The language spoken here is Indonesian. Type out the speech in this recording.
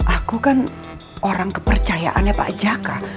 aku kan orang kepercayaannya pak jaka